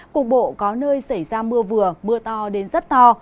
cục bộ có nơi xảy ra mưa vừa mưa to đến rất to